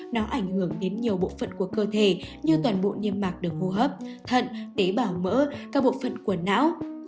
nó ảnh hưởng đến nhiều bộ phận của cơ thể như toàn bộ niêm mạc được hô hấp thận tế bảo mỡ các bộ phận của não